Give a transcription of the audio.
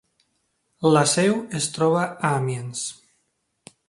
La seu es troba a Amiens.